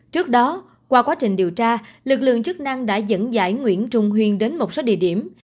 trước đó qua quá trình điều tra lực lượng chức năng đã dẫn dãi nguyễn trung huyên đến một số địa điểm